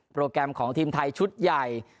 โปรแกรมของทีมไทยชุดใหญ่